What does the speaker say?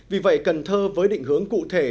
vì vậy cần thơ với định hướng cụ thể